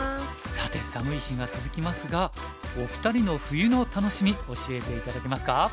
さて寒い日が続きますがお二人の冬の楽しみ教えて頂けますか？